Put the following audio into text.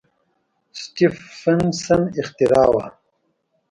سټېفنسن اختراع وه.